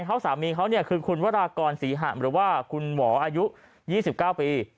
เขาสามีเขาเนี่ยคือคุณวรากรศรีหะหรือว่าคุณหมออายุ๒๙ปี